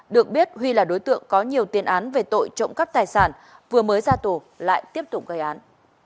được biết huy là đối tượng có nhiều tiền án về tội trộm cắp tài sản vừa mới ra tù lại tiếp tục gây án